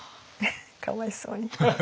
かわいそうに。